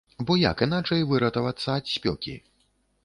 Бо як іначай выратавацца ад спёкі?